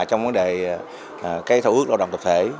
trong vấn đề thỏa ước lao động tập thể